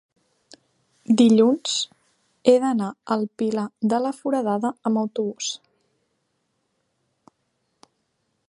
Dilluns he d'anar al Pilar de la Foradada amb autobús.